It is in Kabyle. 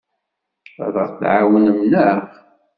Ad aɣ-tɛawnem, naɣ?